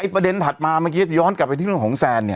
ประเด็นถัดมาเมื่อกี้ย้อนกลับไปที่เรื่องของแซนเนี่ย